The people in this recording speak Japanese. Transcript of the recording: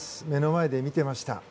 目の前で見ていました。